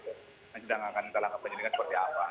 kita tidak akan menjalankan penyelidikan seperti apa